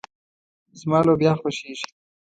زما لوبيا خوښيږي.